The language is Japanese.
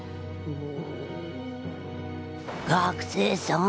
学生さん。